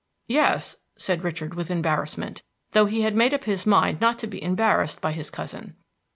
"Yes," said Richard, with embarrassment, though he had made up his mind not to be embarrassed by his cousin.